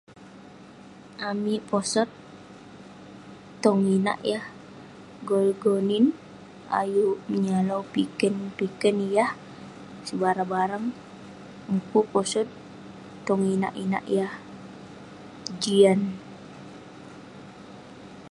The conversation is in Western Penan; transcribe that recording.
Amik posot tong inak yah gonin-gonin ayuk menyalou piken-piken yah sebarang-barang mukuk poset tong inak-inak yah jian